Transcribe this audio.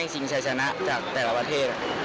มาเยี่ยงชาชนะจากแต่ละประเทศ